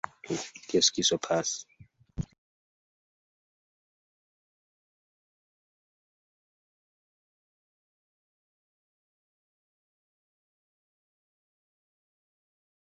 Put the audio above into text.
Virinaj artistoj estis ekstreme maloftaj dum la Renesanco.